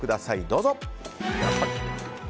どうぞ。